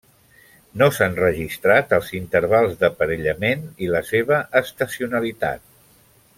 No s'han registrat els intervals d'aparellament i la seva estacionalitat.